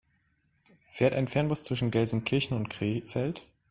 Fährt ein Fernbus zwischen Gelsenkirchen und Krefeld?